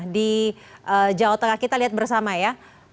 di jawa tengah kita lihat bersama ya